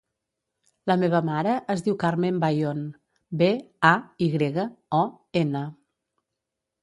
La meva mare es diu Carmen Bayon: be, a, i grega, o, ena.